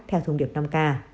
theo thông điệp năm k